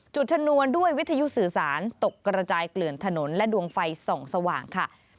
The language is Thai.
ชนวนด้วยวิทยุสื่อสารตกกระจายเกลื่อนถนนและดวงไฟส่องสว่างค่ะ